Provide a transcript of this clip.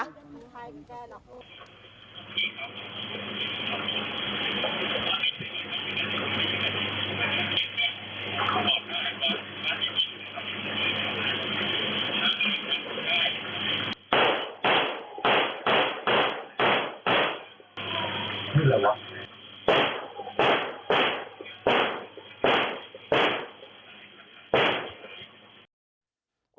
นี่แหละหรอ